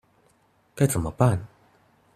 該怎麼辦